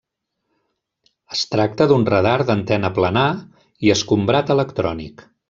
Es tracta d'un radar d'antena planar i escombrat electrònic.